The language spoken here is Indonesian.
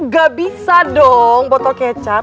gak bisa dong botol kecap